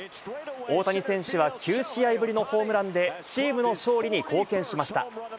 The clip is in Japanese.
大谷選手は９試合ぶりのホームランでチームの勝利に貢献しました。